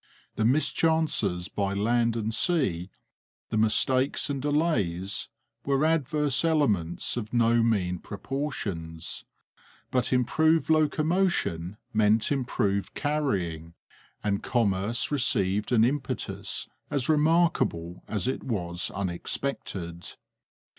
The mischances by land and sea, the mistakes and delays, were adverse elements of no mean proportions. But improved locomotion meant improved carrying, and commerce received an impetus as remarkable as it was unexpected.